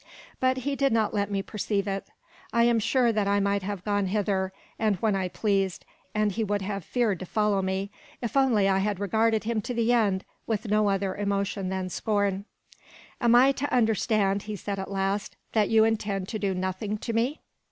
But he did not let me perceive it. I am sure that I might have gone whither and when I pleased, and he would have feared to follow me, if I had only regarded him to the end with no other emotion than scorn. "Am I to understand," he said at last, "that you intend to do nothing to me?"